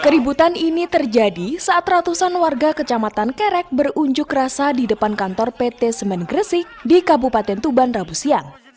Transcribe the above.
keributan ini terjadi saat ratusan warga kecamatan kerek berunjuk rasa di depan kantor pt semen gresik di kabupaten tuban rabu siang